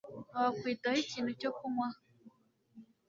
Wakwitaho ikintu cyo kunywa?